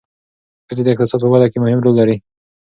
ښځې د اقتصاد په وده کې مهم رول لري.